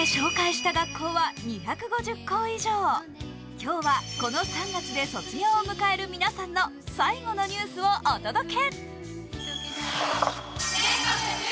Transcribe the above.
今日はこの３月で卒業を迎える皆さんの最後のニュースをお届け。